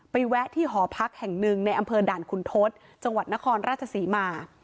แวะที่หอพักแห่งหนึ่งในอำเภอด่านคุณทศจังหวัดนครราชศรีมา